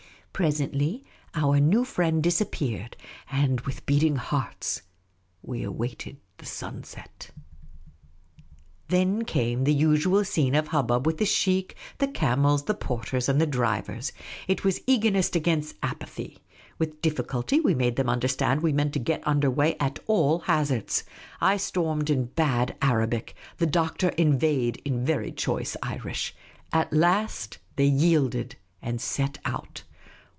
Presently, our new friend disappeared ; and, with beating hearts, we awaited the sunset. Then came the usual scene of hubbub with the sheikh, the camels, the porters, and the drivers. It was eagerness against apathy. With difficulty we made them understand we meant to get under way at all hazards. I stormed in bad Arabic. The Doctor inveighed in very choice Irish. At last they yielded and set out.